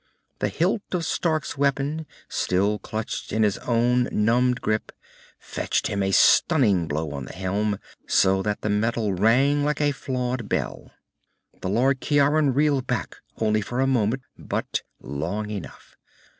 The hilt of Stark's weapon, still clutched in his own numbed grip, fetched him a stunning blow on the helm, so that the metal rang like a flawed bell. The Lord Ciaran reeled back, only for a moment, but long enough.